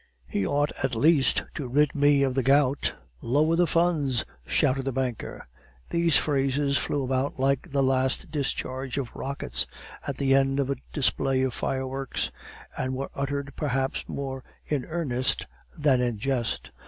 "He ought, at least, to rid me of the gout!" "Lower the funds!" shouted the banker. These phrases flew about like the last discharge of rockets at the end of a display of fireworks; and were uttered, perhaps, more in earnest than in jest.